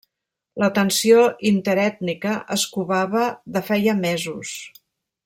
La tensió interètnica es covava de feia mesos.